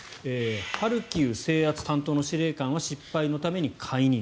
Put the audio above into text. ハルキウ制圧担当の司令官は失敗のために解任。